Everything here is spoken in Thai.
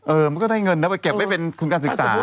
มันก็ได้เงินนะไปเก็บไว้เป็นทุนการศึกษา